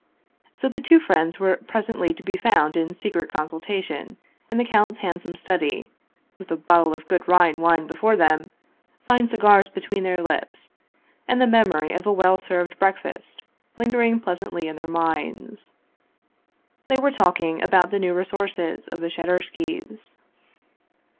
So the two friends were presently to be found in secret consultation in the count's handsome study, with a bottle of good Rhine wine before them, fine cigars between their lips, and the memory of a well served breakfast lingering pleasantly in their minds. They were talking about the new resources of the Shadurskys.